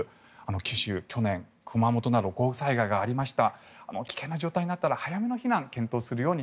九州は去年、熊本など豪雨災害がありました。